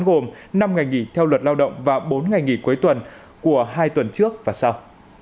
gồm năm ngày nghỉ theo luật lao động và bốn ngày nghỉ cuối tuần của hai tuần trước và sau